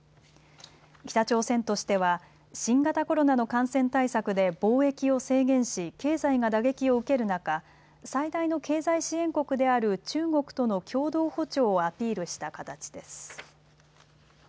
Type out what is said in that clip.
北朝鮮としては新型コロナの感染対策で貿易を制限し経済が打撃を受ける中、最大の経済支援国である中国との共同歩調をアピールした形です。